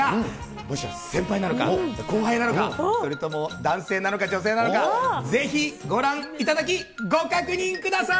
むしろ先輩なのか、後輩なのか、それとも、男性なのか女性なのか、ぜひご覧いただき、ご確認ください。